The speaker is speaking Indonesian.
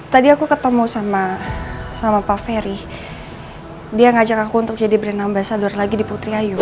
tadi aku ketemu sama pak ferry dia yang ngajak aku untuk jadi berenang basah dua hari lagi di putri ayu